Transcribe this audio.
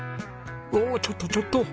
おおちょっとちょっと。